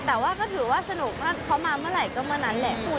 แต่ว่าก็ถือว่าสนุกเขามาเมื่อไหร่ก็มานั้นแหละคุณ